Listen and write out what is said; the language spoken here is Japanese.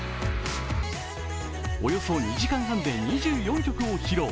およそ２時間半で２４曲を披露。